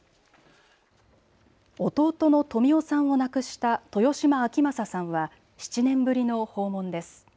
弟の富美男さんを亡くした豊島暁正さんは７年ぶりの訪問です。